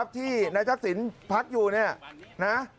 ที่นายทักษิณพักอยู่เนี่ยนะ